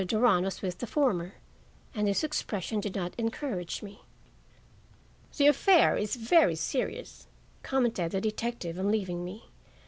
Durand was with the former, and his expression did not encourage me. "The affair is very serious," commented the detective on leaving me.